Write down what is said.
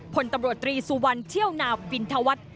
ผลตำรวจตรีสุวรรณเชี่ยวนาวปินทวัฒน์